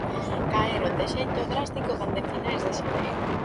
Caeron de xeito drástico dende finais de xaneiro.